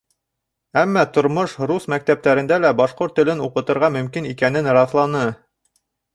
Әммә тормош рус мәктәптәрендә лә башҡорт телен уҡытырға мөмкин икәнен раҫланы.